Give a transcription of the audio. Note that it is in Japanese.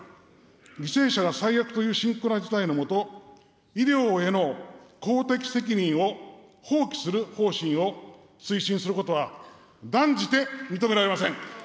犠牲者が最悪という深刻な事態の下、医療への公的責任を放棄する方針を推進することは、断じて認められません。